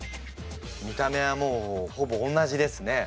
見た目はもうほぼ同じですね